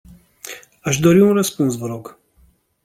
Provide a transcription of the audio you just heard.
Aș dori un răspuns, vă rog.